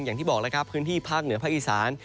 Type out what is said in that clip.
อย่างที่บอกพื้นที่ภาคเหนือภาคอีสาน